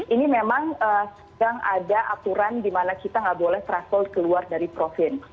ini memang sedang ada aturan di mana kita nggak boleh travel keluar dari profil